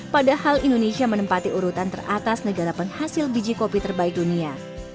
padahal indonesia menempati urutan teratas negara penghasil biji kopi terbaik dunia